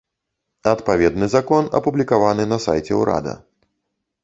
Адпаведны закон апублікаваны на сайце ўрада.